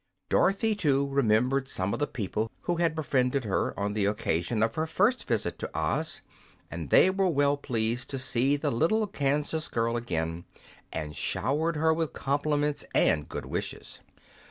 Dorothy, too, remembered some of the people, who had befriended her on the occasion of her first visit to Oz, and they were well pleased to see the little Kansas girl again, and showered her with compliments and good wishes.